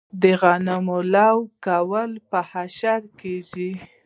د غنمو لو کول په اشر کیږي.